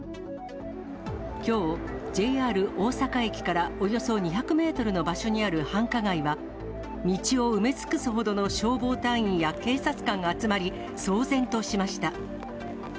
きょう、ＪＲ大阪駅からおよそ２００メートルの場所にある繁華街は、道を埋め尽くすほどの消防隊員や警察官が集まり、騒然としました。